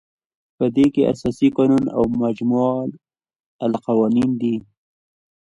په دې کې اساسي قانون او مجمع القوانین دي.